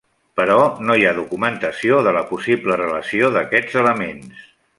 Però no hi ha documentació de la possible relació d'aquests elements.